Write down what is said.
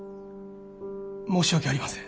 申し訳ありません。